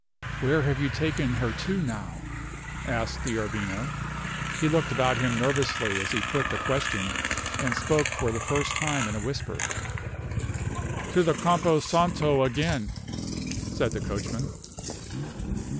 "Where have you taken her to now?" asked D'Arbino. He looked about him nervously as he put the question, and spoke for the first time in a whisper. "To the Campo Santo again," said the coachman.